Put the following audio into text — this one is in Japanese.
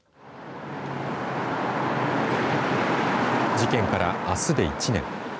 事件から、あすで１年。